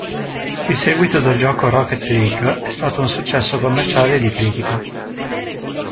Il seguito del gioco, "Rocket League", è stato un successo commerciale e di critica.